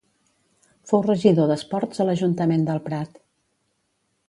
Fou regidor d'esports a l'Ajuntament del Prat.